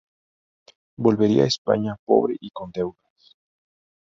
Volvería a España pobre y con deudas.